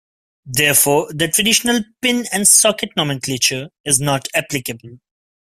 Therefore, the traditional pin and socket nomenclature is not applicable.